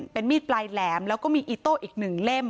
เป็นมีดปลายแหลมแล้วก็มีอิโต้อีก๑เล่ม